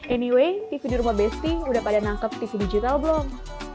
anyway tv di rumah besti udah pada nangkep tv digital belum